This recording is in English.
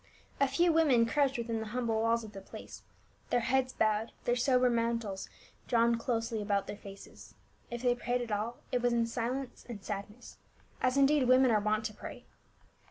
A few women crouched within the humble walls of the place, their heads bowed, their somber mantles drawn closely about their faces ; if they prayed at all it was in silence and sadness, as indeed women are wont to pray.